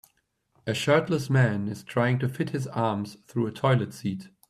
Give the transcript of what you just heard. A shirtless man is trying to fit his arms through a toilet set.